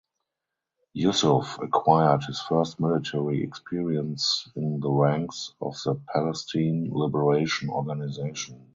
Yusuf acquired his first military experience in the ranks of the Palestine Liberation Organization.